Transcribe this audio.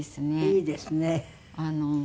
いいですね。